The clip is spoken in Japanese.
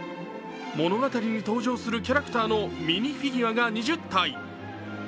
物語に登場するキャラクターのミニフィギュアが２０体。